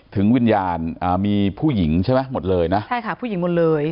วิญญาณอ่ามีผู้หญิงใช่ไหมหมดเลยนะใช่ค่ะผู้หญิงหมดเลย